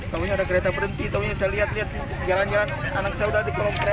taunya ada kereta berhenti taunya saya lihat lihat jalan jalan anak saudara di kolombor